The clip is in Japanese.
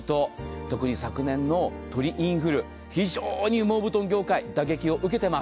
特に昨年の鳥インフル、非常に羽毛布団業界、打撃を受けています。